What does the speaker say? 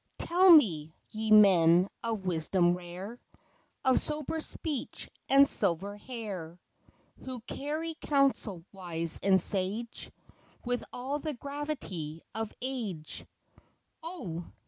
Tell me, ye men, of wisdom rare, Of sober speech and silver hair; Who carry counsel wise and sage, With all the gravity of age; Oh